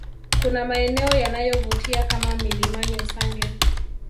Kuna maeneo yanayovutia kama milimani Usangi